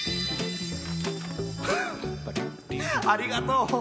ありがとう！